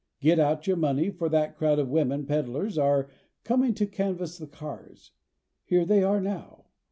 Get out your money for that crowd of women peddlers who are coming to canvass the cars. Here they are now.